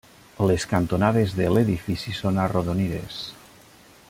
Les cantonades de l'edifici són arrodonides.